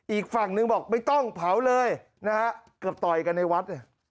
อีกฝั่งหนึ่งบอกไม่ต้องเผาเลยนะฮะเกือบต่อยกันในวัดเนี่ย